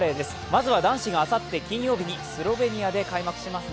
まずは男子があさって金曜日にスロベニアで開幕します